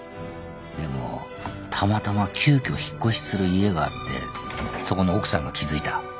でもたまたま急きょ引っ越しする家があってそこの奥さんが気付いた。